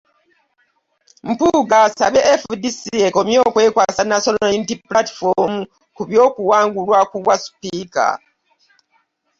Mpuuga asabye FDC ekomye okwekwasa National Unity Platform ku by'okuwangulwa ku bwa sipiika